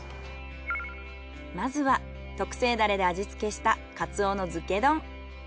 まずは特製ダレで味付けしたカツオの漬け丼。